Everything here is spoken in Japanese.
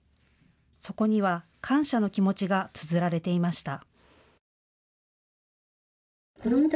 そこには感謝の気持ちがつづられていました。